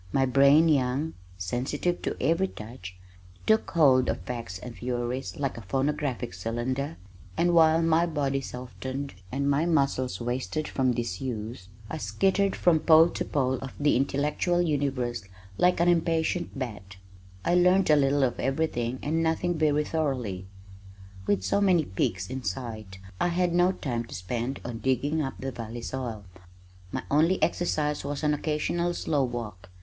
My brain young, sensitive to every touch, took hold of facts and theories like a phonographic cylinder, and while my body softened and my muscles wasted from disuse, I skittered from pole to pole of the intellectual universe like an impatient bat. I learned a little of everything and nothing very thoroughly. With so many peaks in sight, I had no time to spend on digging up the valley soil. My only exercise was an occasional slow walk.